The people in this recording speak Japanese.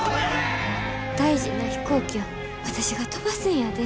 大事な飛行機を私が飛ばすんやで。